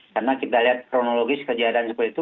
karena kita lihat kronologis kejahatan seperti itu